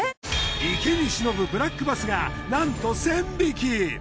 池に忍ぶブラックバスがなんと１，０００匹！